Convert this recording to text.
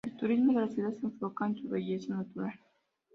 El turismo de la ciudad se enfoca en su belleza natural.